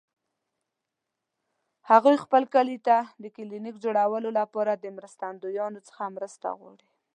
هغوی خپل کلي ته د کلینیک جوړولو لپاره له مرستندویانو څخه مرسته غواړي